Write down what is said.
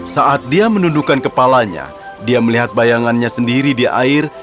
saat dia menundukkan kepalanya dia melihat bayangannya sendiri di air